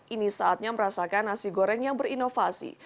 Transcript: ini saatnya merasakan nasi goreng yang berinovasi